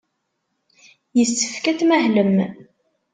Yessefk ad tmahlem.